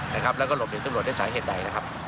แล้วก็หลบหนีตำรวจได้สาเหตุใด